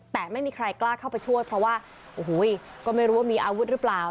แต่ไม่มีใครกล้าเข้าไปช่วยเพราะว่าโอ้โหก็ไม่รู้ว่ามีอาวุธหรือเปล่า